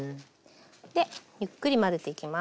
ゆっくり混ぜていきます。